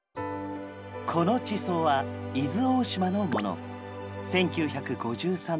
この地層は伊豆大島のもの。